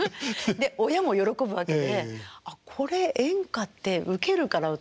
で親も喜ぶわけで「あっこれ演歌ってウケるから歌おう」みたいな。